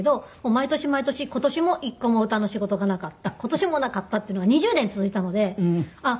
毎年毎年今年も一個も歌の仕事がなかった今年もなかったっていうのが２０年続いたのであっ